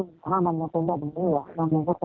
เวลามันจากข้าวเก็บขี้เนื้ออะไรอย่างนี้ค่ะ